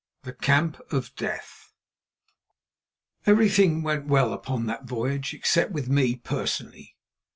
THE CAMP OF DEATH Everything went well upon that voyage, except with me personally.